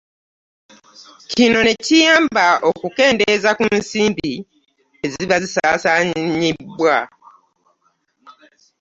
Kino ne kiyamba okukendeeza ku nsimbi ezisaasaanyizibwa.